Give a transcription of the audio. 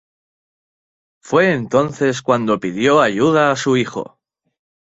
Fue entonces cuando pidió ayuda a su hijo.